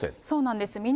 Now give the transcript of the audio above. そうなんです。